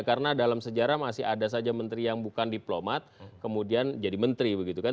karena dalam sejarah masih ada saja menteri yang bukan diplomat kemudian jadi menteri begitu kan